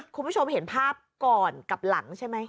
คุณผู้ชมเห็นภาพก่อนกับหลังใช่ไหม